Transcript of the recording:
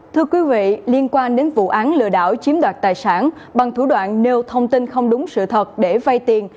thưa quý vị liên quan đến vụ án lừa đảo chiếm đoạt tài sản bằng thủ đoạn nêu thông tin không đúng sự thật để vay tiền